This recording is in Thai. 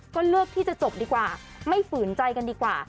ก็เลือกที่จะจบดีกว่าไม่ฝืนใจกันดีกว่า